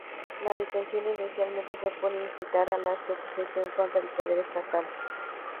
La detención inicialmente fue por incitar a la subversión contra el poder estatal.